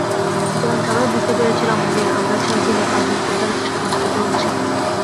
সুতরাং, সবাই বুঝতে পেরেছিলাম যে আমরা শেষ দিনে পাঁচজনকে উদ্ধারের চেষ্টা করতে চলেছি।